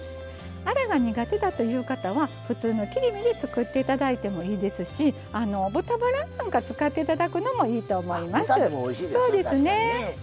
アラが苦手だという方は普通の切り身で作っていただいてもいいですし豚ばらなんか使っていただくのもいいと思います。